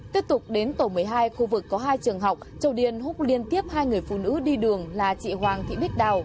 tiếp tục đến tổ một mươi hai khu vực có hai trường học châu điên hút liên tiếp hai người phụ nữ đi đường là chị hoàng thị bích đào